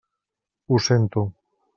Ho sento.